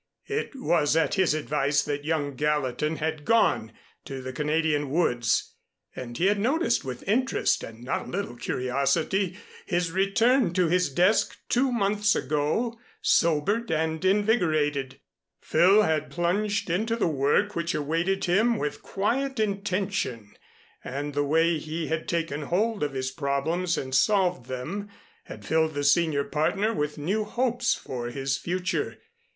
It was at his advice that young Gallatin had gone to the Canadian woods, and he had noted with interest and not a little curiosity his return to his desk two months ago sobered and invigorated. Phil had plunged into the work which awaited him with quiet intention, and the way he had taken hold of his problems and solved them, had filled the senior partner with new hopes for his future.